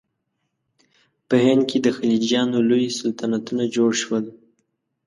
په هند کې د خلجیانو لوی سلطنتونه جوړ شول.